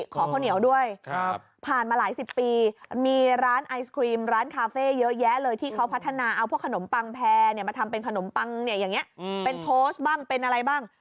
ข้าวเหนียวด้วยผ่านมาหลายสิบปีมีร้านไอศครีมร้านคาเฟ่เยอะแยะเลยที่เขาพัฒนาเอาพวกขนมปังแพรมาทำเป็นขนมปังเนี่ยอย่างนี้เป็นโทสบ้างเป็นอะไรบ้าง